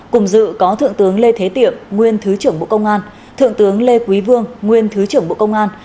cùng dự có thượng tướng lê thế tiệm nguyên thứ trưởng bộ công an thượng tướng lê quý vương nguyên thứ trưởng bộ công an